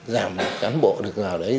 giảm đánh bộ được vào đấy